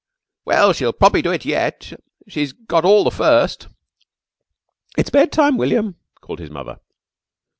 "Well, she'll probably do it yet. She's got all the 1st." "It's bedtime, William," called his Mother.